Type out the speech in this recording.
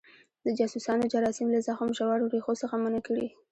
د جاسوسانو جراثیم له زخم ژورو ریښو څخه منع کړي.